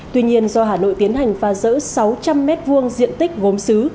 tuy nhiên do hà nội tiến hành phá rỡ sáu trăm linh m hai diện tích gốm xứ